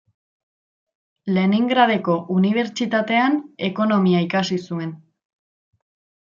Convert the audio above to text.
Leningradeko Unibertsitatean ekonomia ikasi zuen.